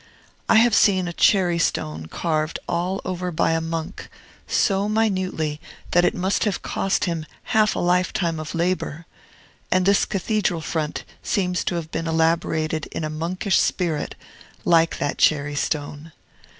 I have seen a cherry stone carved all over by a monk, so minutely that it must have cost him half a lifetime of labor; and this cathedral front seems to have been elaborated in a monkish spirit, like that cherry stone.